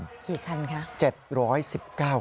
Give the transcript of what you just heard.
กี่คันครับ